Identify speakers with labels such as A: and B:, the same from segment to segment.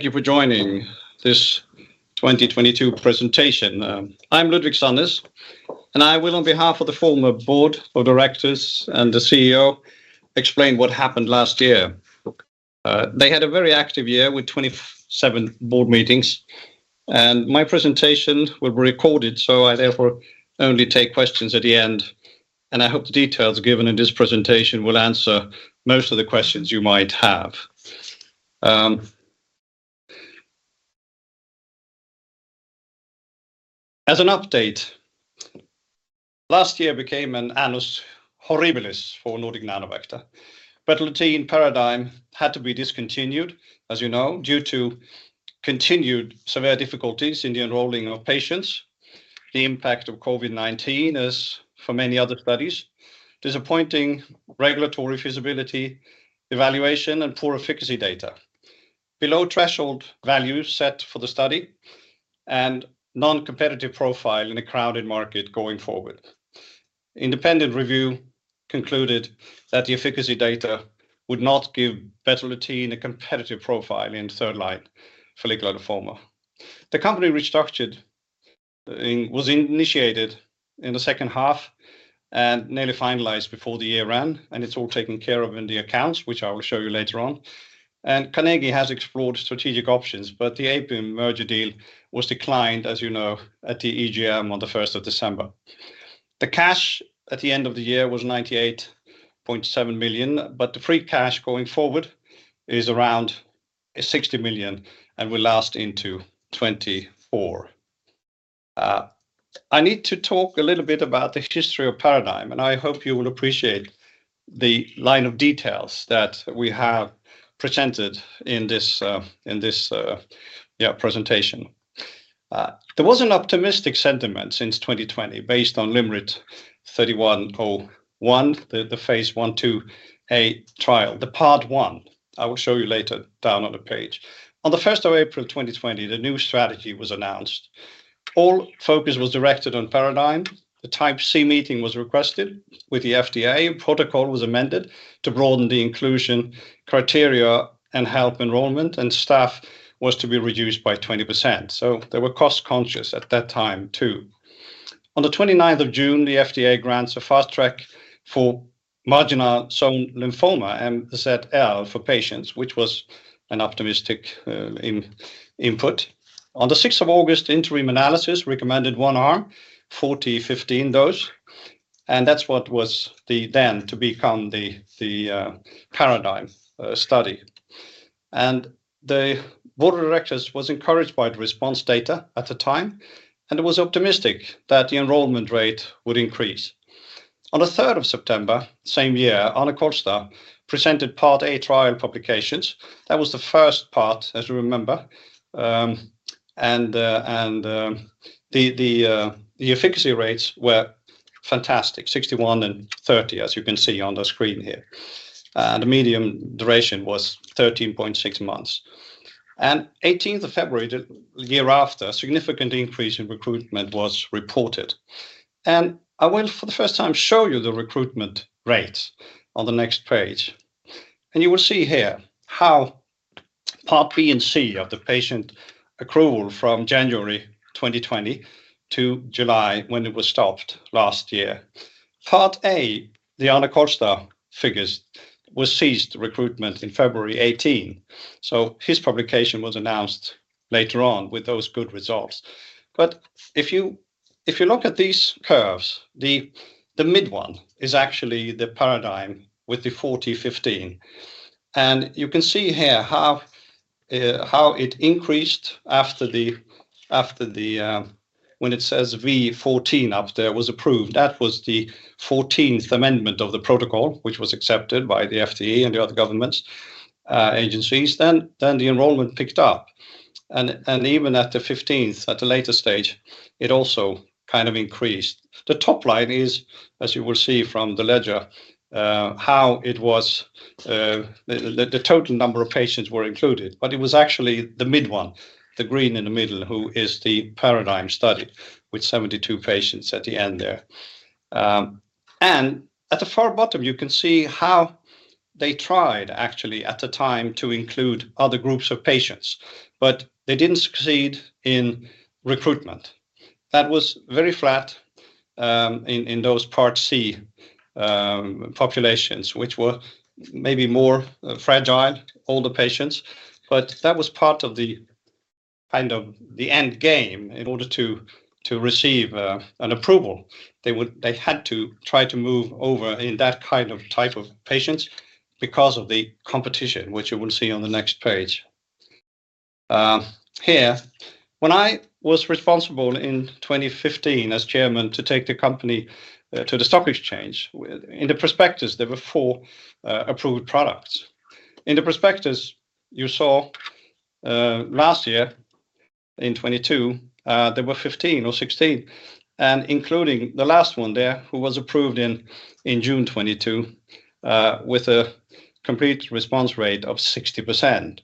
A: Thank you for joining this 2022 presentation. I'm Ludvik Sandnes, and I will, on behalf of the former board of directors and the CEO, explain what happened last year. They had a very active year with 27 board meetings. My presentation will be recorded, so I therefore only take questions at the end. I hope the details given in this presentation will answer most of the questions you might have. As an update, last year became an annus horribilis for Nordic Nanovector. Betalutin PARADIGME had to be discontinued, as you know, due to continued severe difficulties in the enrolling of patients, the impact of COVID-19 as for many other studies, disappointing regulatory feasibility evaluation and poor efficacy data. Below threshold values set for the study and non-competitive profile in a crowded market going forward. Independent review concluded that the efficacy data would not give Betalutin a competitive profile in third line follicular lymphoma. The company restructured was initiated in the second half and nearly finalized before the year ran, and it's all taken care of in the accounts, which I will show you later on. Carnegie has explored strategic options, but the APIM merger deal was declined, as you know, at the EGM on the first of December. The cash at the end of the year was 98.7 million, but the free cash going forward is around 60 million and will last into 2024. I need to talk a little bit about the history of PARADIGME, and I hope you will appreciate the line of details that we have presented in this, in this, presentation. There was an optimistic sentiment since 2020 based on LYMRIT 37-01, the phase I,II-A clinical trial. The part one I will show you later down on the page. On 1st April 2020, the new strategy was announced. All focus was directed on PARADIGME. The type C meeting was requested with the FDA. Protocol was amended to broaden the inclusion criteria and help enrollment, staff was to be reduced by 20%. They were cost-conscious at that time too. On 29th June the FDA grants a fast track for marginal zone lymphoma, MZL for patients, which was an optimistic in-input. On August 6, interim analysis recommended one arm, 40/15 dose, that's then to become the PARADIGME study. The board of directors was encouraged by the response data at the time, and it was optimistic that the enrollment rate would increase. On the 3rd of September, same year, Arne Kolstad presented Part A trial publications. That was the 1st part, as you remember. The efficacy rates were fantastic, 61 and 30, as you can see on the screen here. The medium duration was 13.6 months. 18th of February, the year after, significant increase in recruitment was reported. I will for the 1st time show you the recruitment rates on the next page. You will see here how Part B and C of the patient accrual from January 2020 to July, when it was stopped last year. Part A, the Arne Kolstad figures, was ceased recruitment in February 2018, so his publication was announced later on with those good results. If you look at these curves, the mid one is actually the PARADIGME with the 40/15. You can see here how it increased after the when it says V 14 up there was approved. That was the 14th amendment of the protocol, which was accepted by the FDA and the other governments agencies. The enrollment picked up. Even at the 15th, at a later stage, it also kind of increased. The top line is, as you will see from the ledger, how it was the total number of patients were included. It was actually the mid one, the green in the middle, who is the PARADIGME study with 72 patients at the end there. At the far bottom, you can see how they tried actually at the time to include other groups of patients, but they didn't succeed in recruitment. That was very flat in those part C populations, which were maybe more fragile older patients. That was part of the, kind of the end game in order to receive an approval. They had to try to move over in that kind of type of patients because of the competition, which you will see on the next page. Here, when I was responsible in 2015 as chairman to take the company to the stock exchange, in the prospectus, there were four approved products. In the prospectus you saw, last year in 2022, there were 15 or 16 and including the last one there, who was approved in June 2022, with a complete response rate of 60%.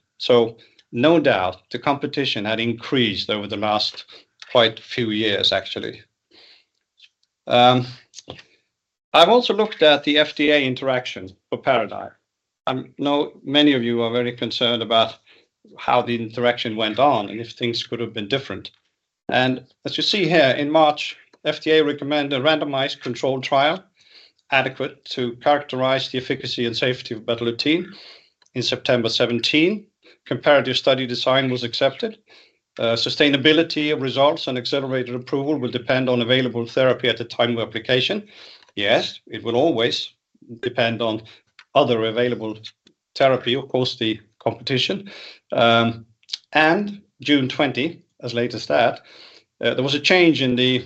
A: No doubt, the competition had increased over the last quite few years actually. I've also looked at the FDA interaction for PARADIGME. I know many of you are very concerned about how the interaction went on and if things could have been different. As you see here, in March, FDA recommended a randomized controlled trial adequate to characterize the efficacy and safety of Betalutin. In September 2017, comparative study design was accepted. Sustainability of results and accelerated approval will depend on available therapy at the time of application. Yes, it will always depend on other available therapy, of course, the competition. June 2020, as late as that, there was a change in the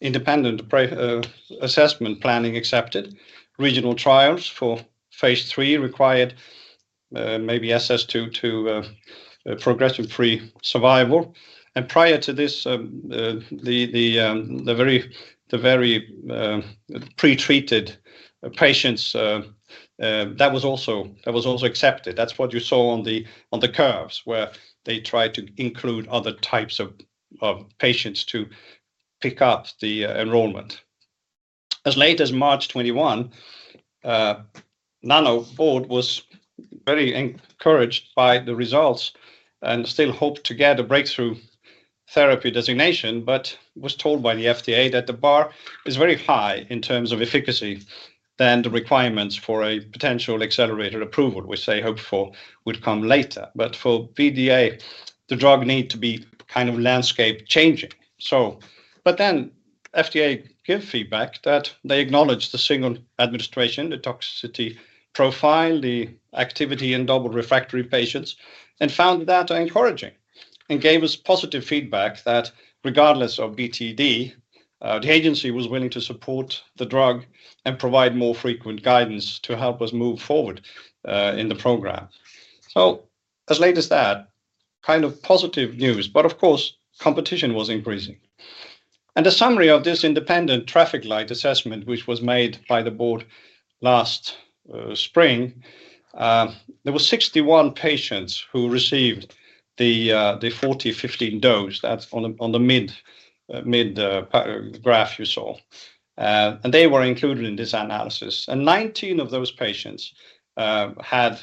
A: independent pre-assessment planning accepted. Regional trials for phase III required maybe SS 2 to progression-free survival. Prior to this, the very pre-treated patients that was also accepted. That's what you saw on the curves where they tried to include other types of patients to pick up the enrollment. As late as March 2021, Nano board was very encouraged by the results and still hoped to get a breakthrough therapy designation, but was told by the FDA that the bar is very high in terms of efficacy than the requirements for a potential accelerated approval, which they hoped for would come later. For BDA, the drug need to be kind of landscape changing. FDA give feedback that they acknowledged the single administration, the toxicity profile, the activity in double refractory patients, and found that encouraging, and gave us positive feedback that regardless of BTD, the agency was willing to support the drug and provide more frequent guidance to help us move forward in the program. As late as that, kind of positive news, of course, competition was increasing. A summary of this independent traffic light assessment, which was made by the board last spring, there were 61 patients who received the 40/15 dose. That's on the, on the mid graph you saw. They were included in this analysis. 19 of those patients had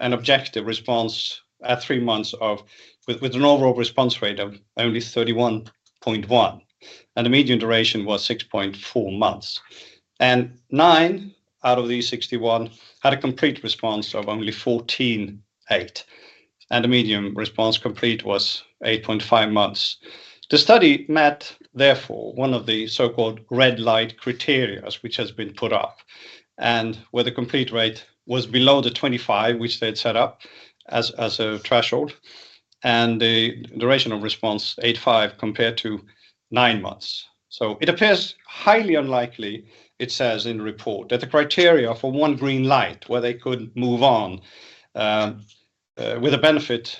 A: an objective response at three months of.with an overall response rate of only 31.1%, the median duration was 6.4 months. nine out of the 61 had a complete response of only 14.8%, and the median response complete was 8.5 months. The study met, therefore, one of the so-called red light criteria, which has been put up, and where the complete rate was below the 25%, which they'd set up as a threshold, and the duration of response 8.5 compared to nine months. It appears highly unlikely, it says in the report, that the criteria for one green light, where they could move on with a benefit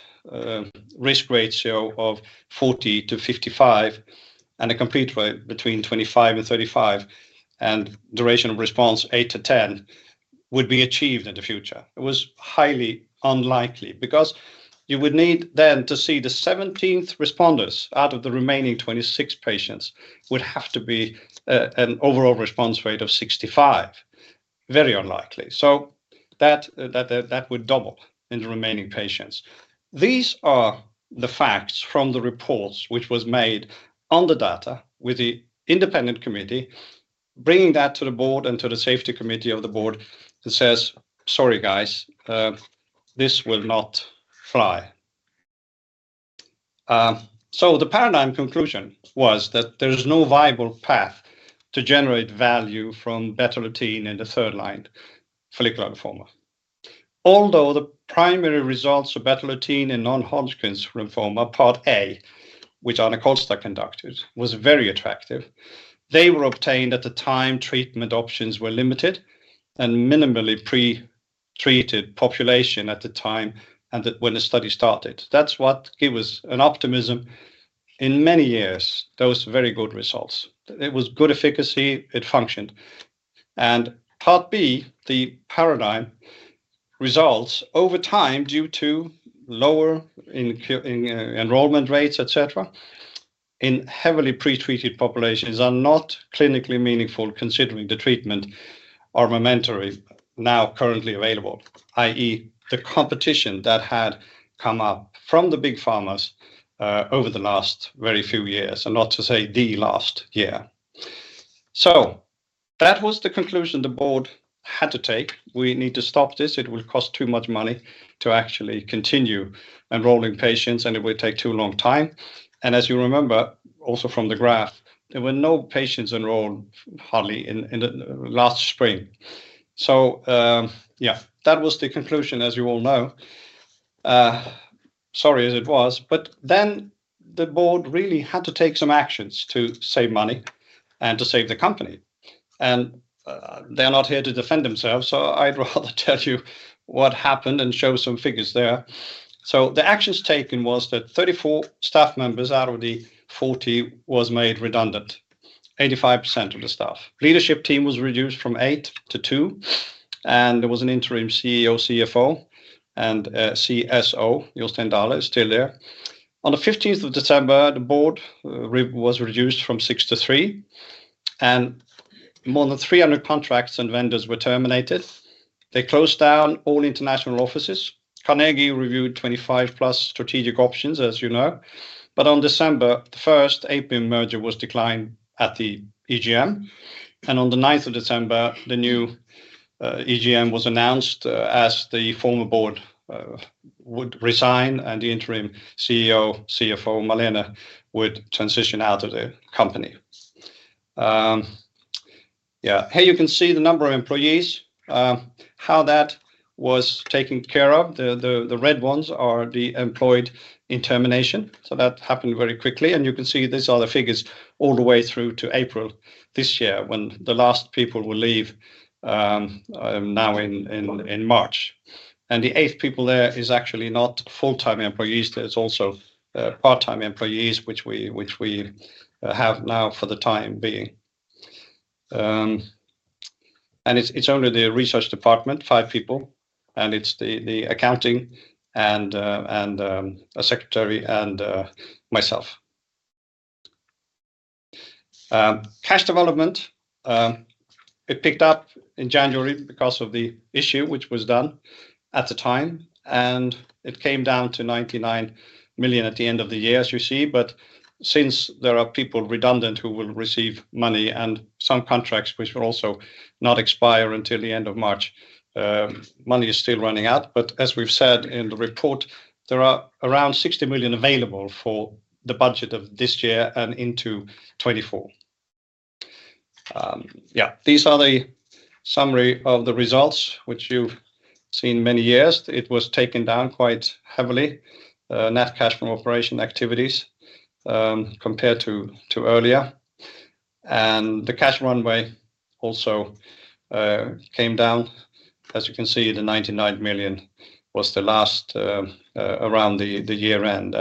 A: risk ratio of 40-55 and a complete rate between 25% and 35% and duration of response 8-10 months would be achieved in the future. It was highly unlikely because you would need then to see the 17th responders out of the remaining 26 patients would have to be an overall response rate of 65%. Very unlikely. That would double in the remaining patients. These are the facts from the reports which was made on the data with the independent committee bringing that to the board and to the safety committee of the board that says, "Sorry guys, this will not fly." The PARADIGME conclusion was that there is no viable path to generate value from Betalutin in the 3rd line follicular lymphoma. The primary results of Betalutin in non-Hodgkin's lymphoma part A, which Arne Kolstad conducted, was very attractive. They were obtained at the time treatment options were limited and minimally pre-treated population at the time and that when the study started. That's what gave us an optimism in many years. Those very good results. It was good efficacy. It functioned. Part B, the PARADIGME results over time due to lower enrollment rates, et cetera, in heavily pre-treated populations are not clinically meaningful considering the treatment armamentary now currently available, i.e., the competition that had come up from the big pharmas over the last very few years, and not to say the last year. That was the conclusion the board had to take. We need to stop this. It will cost too much money to actually continue enrolling patients, and it will take too long time. As you remember also from the graph, there were no patients enrolled hardly in the last spring. Yeah, that was the conclusion as you all know. Sorry as it was, the board really had to take some actions to save money and to save the company. They're not here to defend themselves, I'd rather tell you what happened and show some figures there. The actions taken was that 34 staff members out of the 40 was made redundant, 85% of the staff. Leadership team was reduced from 8-2. And there was an interim CEO, CFO, and CSO, Jostein Dahle is still there. On the 15th of December, the board was reduced from 6-3, and more than 300 contracts and vendors were terminated. They closed down all international offices. Carnegie reviewed 25+ strategic options, as you know. On 1st December APIM merger was declined at the EGM. On the 9th of December, the new EGM was announced as the former board would resign and the interim CEO, CFO Malene would transition out of the company. Yeah, here you can see the number of employees, how that was taken care of. The red ones are the employed in termination. That happened very quickly. You can see these are the figures all the way through to April this year when the last people will leave now in March. The eight people there is actually not full-time employees. There's also part-time employees, which we have now for the time being. It's only the research department, five people. It's the accounting and a secretary and myself. Cash development, it picked up in January because of the issue which was done at the time. It came down to 99 million at the end of the year, as you see. Since there are people redundant who will receive money and some contracts which will also not expire until the end of March, money is still running out. As we've said in the report, there are around 60 million available for the budget of this year and into 2024. These are the summary of the results, which you've seen many years. It was taken down quite heavily, net cash from operation activities compared to earlier. The cash runway also came down. As you can see, the 99 million was the last around the year end.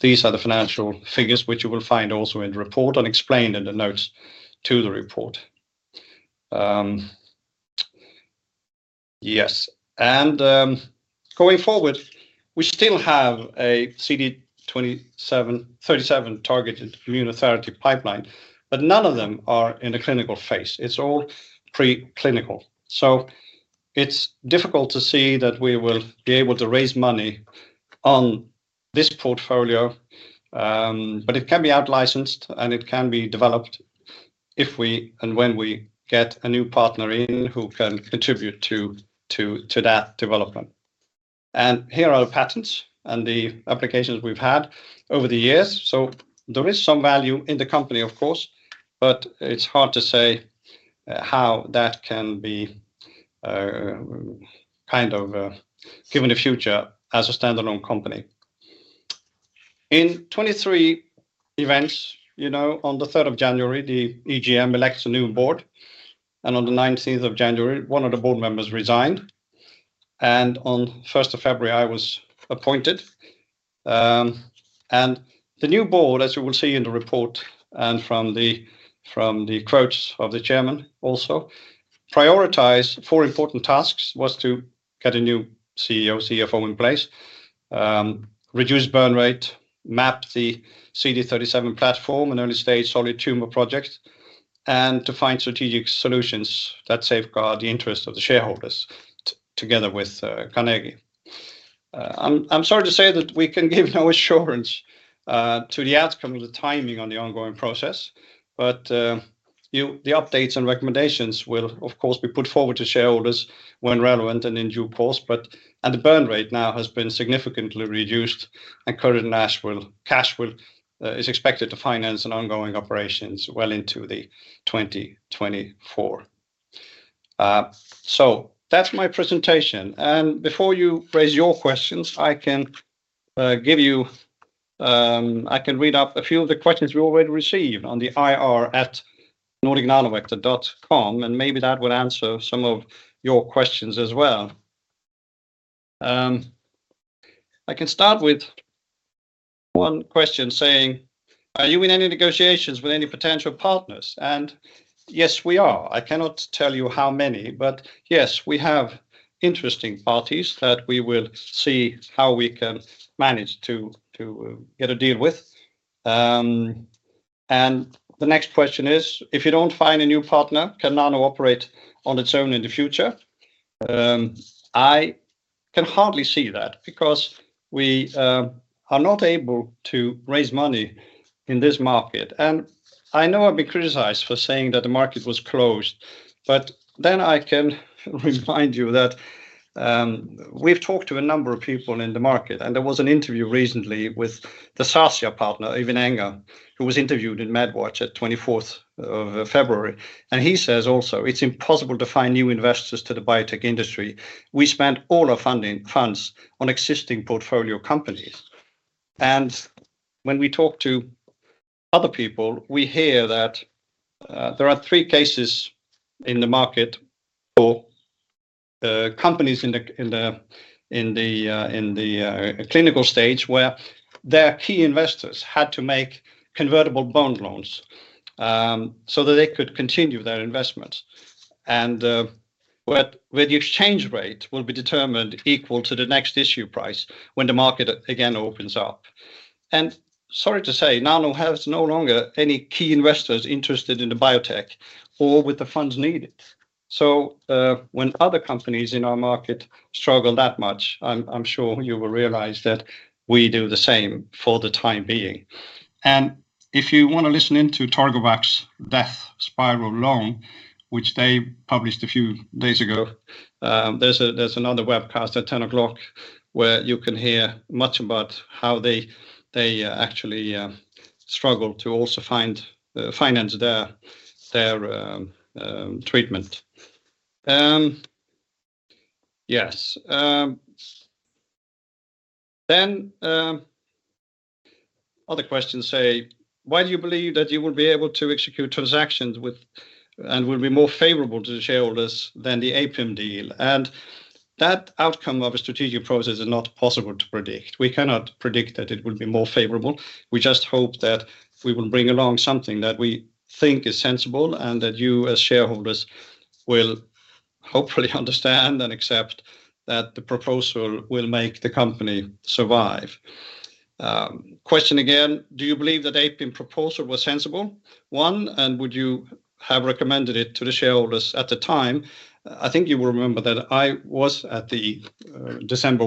A: These are the financial figures which you will find also in the report and explained in the notes to the report. Yes. Going forward, we still have a CD37 targeted immuno-oncology pipeline, but none of them are in the clinical phase. It's all preclinical. It's difficult to see that we will be able to raise money on this portfolio, but it can be out licensed and it can be developed if we and when we get a new partner in who can contribute to that development. Here are the patents and the applications we've had over the years. There is some value in the company, of course, but it's hard to say how that can be kind of given a future as a standalone company. In 2023 events, you know, on the 3rd of January, the EGM elects a new board. On the 19th of January, one of the board members resigned. On 1st of February, I was appointed. The new board, as you will see in the report and from the quotes of the chairman also, prioritized four important tasks was to get a new CEO, CFO in place, reduce burn rate, map the CD37 platform and early stage solid tumor projects, and to find strategic solutions that safeguard the interests of the shareholders together with Carnegie. I'm sorry to say that we can give no assurance to the outcome of the timing on the ongoing process, but the updates and recommendations will, of course, be put forward to shareholders when relevant and in due course. The burn rate now has been significantly reduced and current cash is expected to finance an ongoing operations well into the 2024. That's my presentation. Before you raise your questions, I can read up a few of the questions we already received on the IR at Nordic Nanovector.com. Maybe that would answer some of your questions as well. I can start with one question saying, are you in any negotiations with any potential partners? Yes, we are. I cannot tell you how many, but yes, we have interesting parties that we will see how we can manage to get a deal with. The next question is, if you don't find a new partner, can Nano operate on its own in the future? I can hardly see that because we are not able to raise money in this market. I know I've been criticized for saying that the market was closed, but then I can remind you that we've talked to a number of people in the market. There was an interview recently with the Sarsia partner, Even Enger, who was interviewed in MedWatch at 24th of February. He says also it's impossible to find new investors to the biotech industry. We spent all our funding funds on existing portfolio companies. When we talk to other people, we hear that there are three cases in the market the companies in the clinical stage where their key investors had to make convertible bond loans so that they could continue their investments and where the exchange rate will be determined equal to the next issue price when the market again opens up. Sorry to say, Nano has no longer any key investors interested in the biotech or with the funds needed. When other companies in our market struggle that much, I'm sure you will realize that we do the same for the time being. If you wanna listen in to Targovax's death spiral long, which they published a few days ago, there's another webcast at 10 o'clock where you can hear much about how they actually struggle to also find finance their treatment. Yes. Then other questions say, "Why do you believe that you will be able to execute transactions with and will be more favorable to the shareholders than the APIM deal?" That outcome of a strategic process is not possible to predict. We cannot predict that it will be more favorable. We just hope that we will bring along something that we think is sensible and that you, as shareholders, will hopefully understand and accept that the proposal will make the company survive. Question again, "Do you believe the APIM proposal was sensible, one, and would you have recommended it to the shareholders at the time?" I think you will remember that I was at the 1st December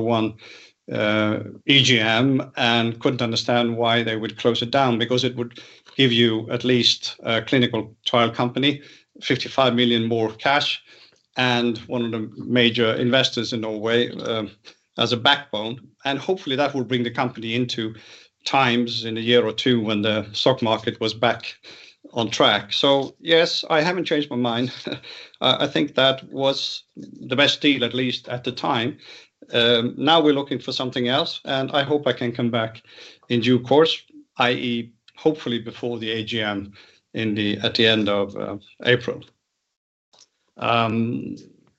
A: EGM and couldn't understand why they would close it down because it would give you at least a clinical trial company, 55 million more of cash, and one of the major investors in Norway as a backbone, and hopefully that will bring the company into times in a year or two when the stock market was back on track. Yes, I haven't changed my mind. I think that was the best deal, at least at the time. Now we're looking for something else, and I hope I can come back in due course, i.e., hopefully before the AGM at the end of April.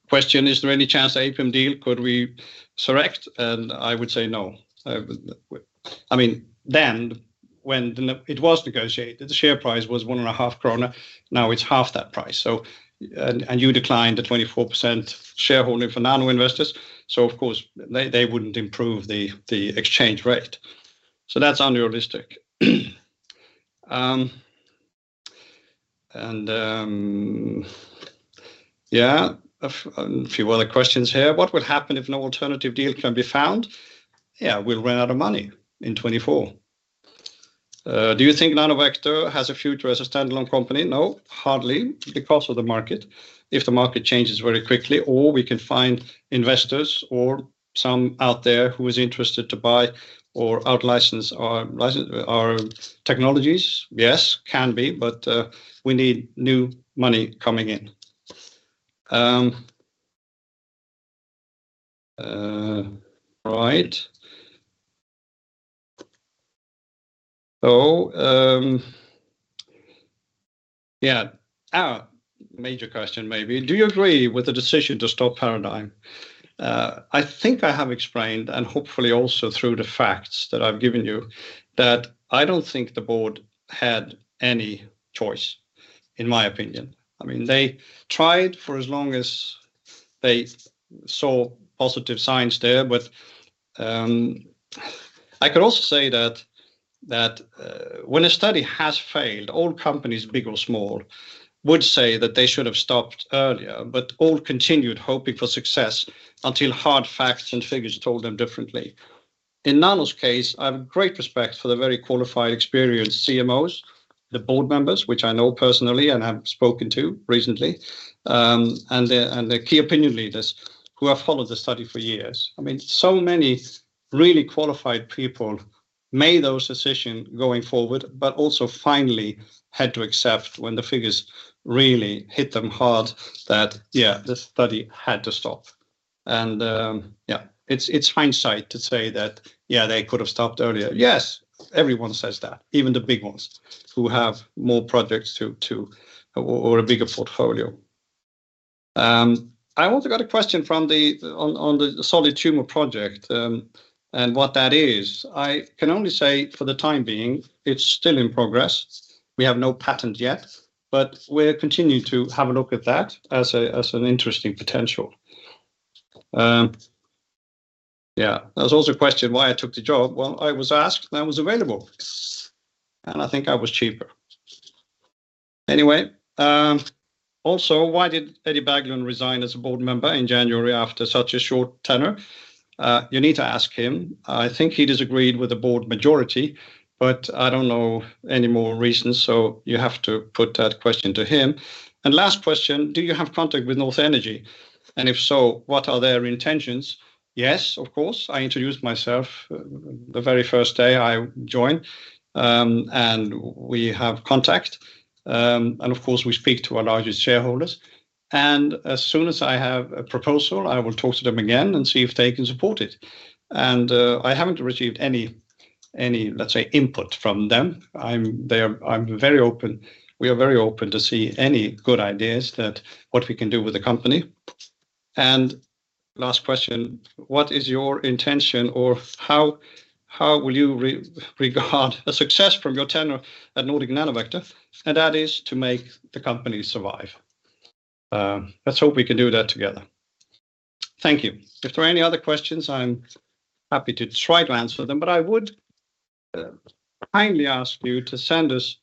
A: Question, "Is there any chance the APIM deal could resurrect?" I would say no. I mean, then when it was negotiated, the share price was 1.5 krone. Now it's half that price, so. You decline the 24% shareholding for Nano investors, so of course they wouldn't improve the exchange rate. So that's unrealistic. Yeah. A few other questions here. "What would happen if no alternative deal can be found?" Yeah. We'll run out of money in 2024. "Do you think Nanovector has a future as a standalone company?" No, hardly, because of the market. If the market changes very quickly, or we can find investors or some out there who is interested to buy or outlicense our technologies. Yes, can be. We need new money coming in. Right. Yeah. Major question maybe. "Do you agree with the decision to stop PARADIGME?" I think I have explained, and hopefully also through the facts that I've given you, that I don't think the board had any choice, in my opinion. I mean, they tried for as long as they saw positive signs there. I could also say that when a study has failed, all companies, big or small, would say that they should have stopped earlier. All continued hoping for success until hard facts and figures told them differently. In Nano's case, I have great respect for the very qualified, experienced CMOs, the board members, which I know personally and have spoken to recently, and the key opinion leaders who have followed the study for years. I mean, so many really qualified people made those decision going forward, but also finally had to accept when the figures really hit them hard that, yeah, the study had to stop. Yeah, it's hindsight to say that, yeah, they could have stopped earlier. Yes. Everyone says that, even the big ones who have more projects to or a bigger portfolio. I also got a question on the solid tumor project and what that is. I can only say for the time being, it's still in progress. We have no patent yet. We're continuing to have a look at that as an interesting potential. Yeah. There was also a question why I took the job. Well, I was asked. I was available, and I think I was cheaper. Anyway, why did Eddie Berglund resign as a board member in January after such a short tenure? You need to ask him. I think he disagreed with the board majority. I don't know any more reasons. You have to put that question to him. Last question, do you have contact with North Energy? If so, what are their intentions? Yes, of course. I introduced myself the very first day I joined. We have contact. Of course, we speak to our largest shareholders. As soon as I have a proposal, I will talk to them again and see if they can support it. I haven't received any, let's say, input from them, I'm very open, we are very open to see any good ideas that what we can do with the company. Last question, what is your intention or how will you regard a success from your tenure at Nordic Nanovector? That is to make the company survive. Let's hope we can do that together. Thank you. If there are any other questions, I'm happy to try to answer them. I would kindly ask you to send us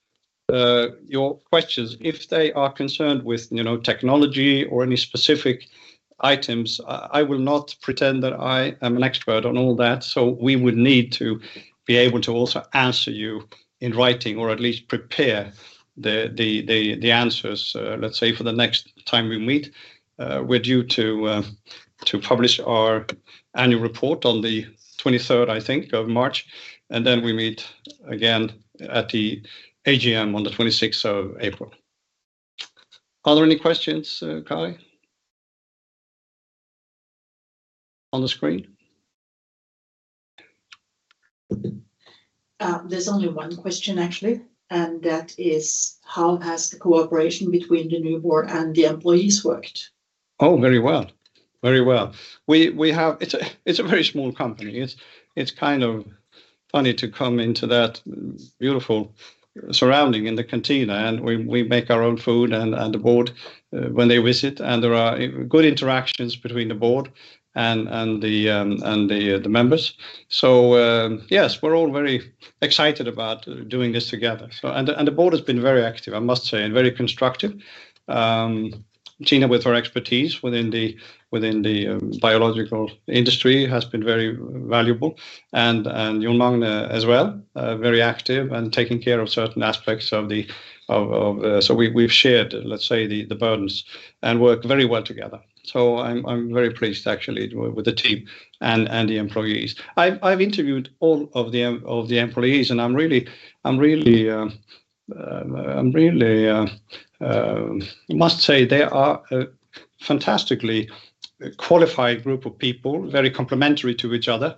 A: your questions. If they are concerned with, you know, technology or any specific items, I will not pretend that I am an expert on all that, so we would need to be able to also answer you in writing or at least prepare the answers, let's say for the next time we meet. We're due to publish our annual report on the 23rd, I think, of March, and then we meet again at the AGM on the 26th of April. Are there any questions, Kai? On the screen?
B: there's only one question actually, and that is: how has the cooperation between the new board and the employees worked?
A: Very well. Very well. We have It's a very small company. It's kind of funny to come into that beautiful surrounding in the cantina, and we make our own food and the board when they visit, and there are good interactions between the board and the members. Yes, we're all very excited about doing this together. And the board has been very active, I must say, and very constructive. Tina with her expertise within the biological industry has been very valuable and Jon Magne as well, very active and taking care of certain aspects of the. We've shared, let's say, the burdens and work very well together. I'm very pleased actually with the team and the employees. I've interviewed all of the employees, and I'm really, must say they are a fantastically qualified group of people, very complementary to each other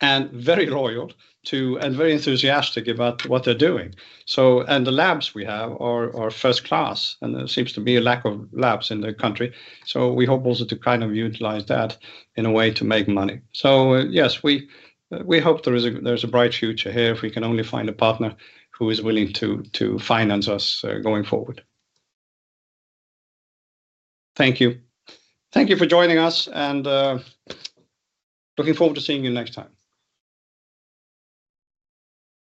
A: and very loyal to and very enthusiastic about what they're doing. The labs we have are first class, and there seems to be a lack of labs in the country. We hope also to kind of utilize that in a way to make money. Yes, we hope there is a bright future here if we can only find a partner who is willing to finance us, going forward. Thank you. Thank you for joining us, and, looking forward to seeing you next time.